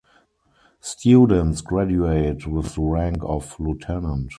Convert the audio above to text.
Students graduate with the rank of lieutenant.